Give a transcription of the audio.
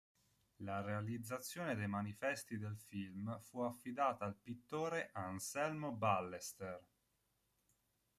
La realizzazione dei manifesti del film fu affidata al pittore Anselmo Ballester